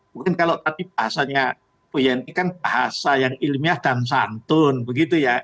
mungkin kalau tadi bahasanya bu yent kan bahasa yang ilmiah dan santun begitu ya